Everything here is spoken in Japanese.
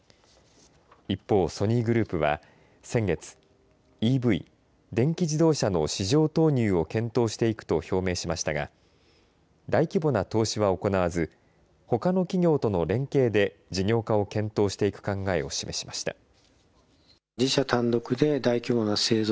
一方、ソニーグループは先月ＥＶ、電気自動車の市場投入を検討していくと表明しましたが大規模な投資は行わずほかの企業との連携で事業化を検討していく考えを示しました。